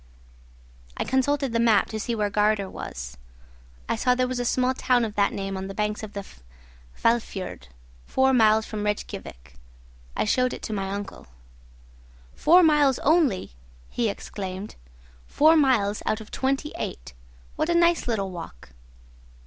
I consulted the map to see where Gardär was. I saw there was a small town of that name on the banks of the Hvalfiord, four miles from Rejkiavik. I showed it to my uncle. "Four miles only!" he exclaimed; "four miles out of twenty eight. What a nice little walk!"